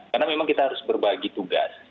karena memang kita harus berbagi tugas